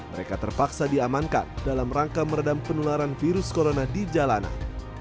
mereka terpaksa diamankan dalam rangka meredam penularan virus corona di jalanan